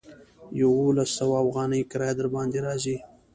يوولس سوه اوغانۍ کرايه درباندې راځي.